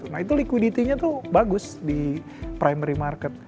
nah itu liquidity nya tuh bagus di primary market